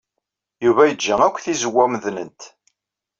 Yuba yeǧǧa akk tizewwa medlent.